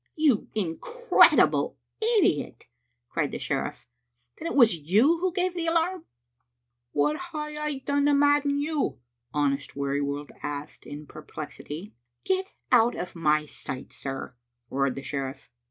" "You incredible idiot!" cried the sheriff. "Then it was you who gave the alarm?" " What hae I done to madden you?" honest Weary world asked in perpl^ity. "Get out of my sight, sir!" roared the sheriff.